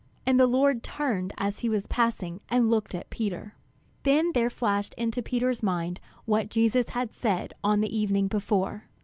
And the Lord turned as he was passing and looked at Peter. Then there flashed into Peter's mind what Jesus had said on the evening before!